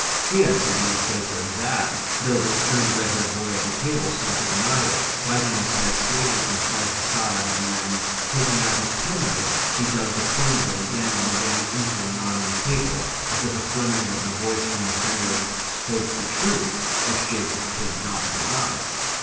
He had something to say to THAT, though the sturdy red haired boy at the table seemed to deny it, wagging his head slowly from side to side; and then, taking out his penknife, he dug the point of it again and again into a knot in the table, as if affirming that the voice from the fender spoke the truth which Jacob could not deny.